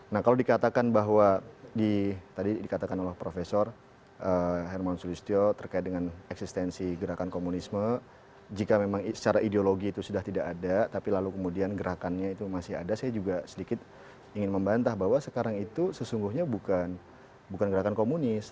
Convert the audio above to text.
nah kalau dikatakan bahwa tadi dikatakan oleh profesor hermon sulistyo terkait dengan eksistensi gerakan komunisme jika memang secara ideologi itu sudah tidak ada tapi lalu kemudian gerakannya itu masih ada saya juga sedikit ingin membantah bahwa sekarang itu sesungguhnya bukan gerakan komunis